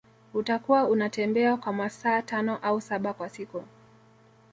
Utakuwa unatembea kwa masaa tano au saba kwa siku